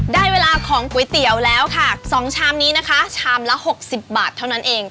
ได้เวลาของก๋วยเตี๋ยวแล้วค่ะ๒ชามนี้นะคะชามละ๖๐บาทเท่านั้นเอง